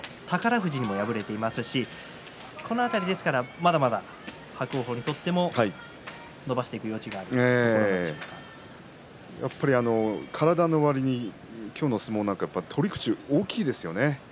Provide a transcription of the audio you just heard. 富士にも敗れていますしこの辺りまだまだ伯桜鵬にとっても、伸ばしていくやっぱり体のわりに今日の相撲、何か取り口が大きいですよね。